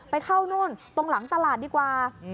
ไปเข้านู่นตรงหลังตลาดดีกว่า